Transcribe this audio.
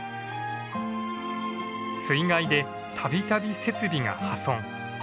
水害でたびたび設備が破損。